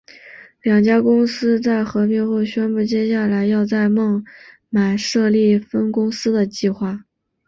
两家公司在合并后宣布接下来要在孟买设立分公司的计划。